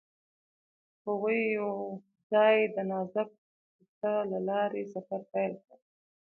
هغوی یوځای د نازک کوڅه له لارې سفر پیل کړ.